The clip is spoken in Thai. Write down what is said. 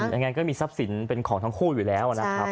ยังไงก็มีทรัพย์สินเป็นของทั้งคู่อยู่แล้วนะครับ